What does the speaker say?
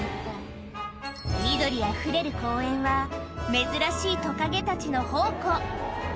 緑あふれる公園は、珍しいトカゲたちの宝庫。